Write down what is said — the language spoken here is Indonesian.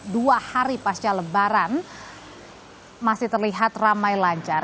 dua hari pasca lebaran masih terlihat ramai lancar